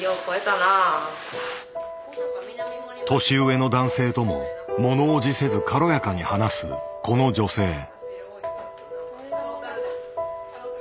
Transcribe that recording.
年上の男性とも物おじせず軽やかに話すこの女性。